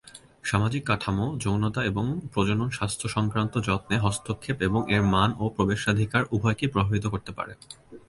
সামাজিক কাঠামো যৌনতা এবং প্রজনন স্বাস্থ্য সংক্রান্ত যত্নে হস্তক্ষেপ এবং এর মান ও প্রবেশাধিকার উভয়কেই প্রভাবিত করতে পারে।